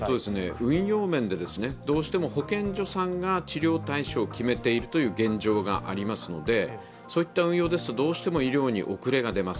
運用面でどうしても保健所さんが治療対象を決めているという現状がありますのでそういった運用ですとどうしても医療に遅れが出ます。